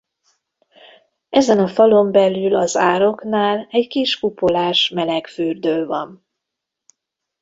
Ezen a falon belül az ároknál egy kis kupolás meleg fürdő van.